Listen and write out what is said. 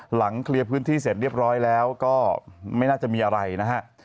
เคลียร์พื้นที่เสร็จเรียบร้อยแล้วก็ไม่น่าจะมีอะไรนะฮะ